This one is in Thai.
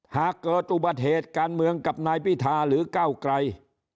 หากเกิดอุบัติเหตุการเมืองกับนายพิธาหรือก้าวไกล